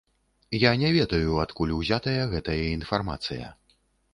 Я не ведаю, адкуль узятая гэтая інфармацыя.